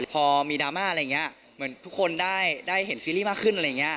พอมีดราม่าอะไรอย่างนี้เหมือนทุกคนได้เห็นซีรีส์มากขึ้นอะไรอย่างนี้